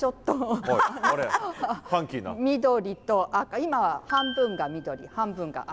今は半分が緑半分が赤。